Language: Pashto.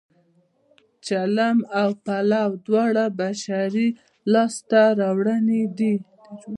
چلم او پلاو دواړه بشري لاسته راوړنې دي